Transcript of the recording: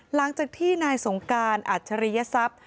หลังจากที่นายสงการอัจฉริยทรัพย์